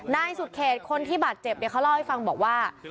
นายสุดเขตคนที่บาดเจ็บเขาเล่าให้ฟังบอกว่า